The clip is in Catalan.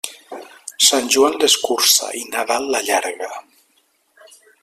Sant Joan l'escurça i Nadal l'allarga.